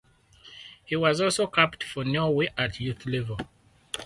He was also capped for Norway at youth level.